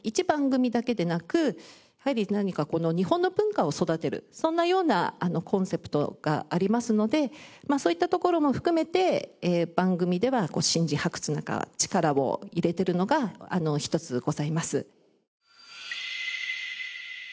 組だけでなくやはり何かこの日本の文化を育てるそんなようなコンセプトがありますのでそういったところも含めて番組では新人発掘なんか力を入れてるのが一つございます。